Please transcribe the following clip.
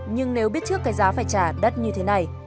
nhưng nếu biết trước cái giá phải trả đất như thế này